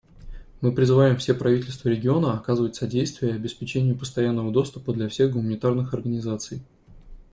Мы призывам все правительства региона оказывать содействие обеспечению постоянного доступа для всех гуманитарных организаций.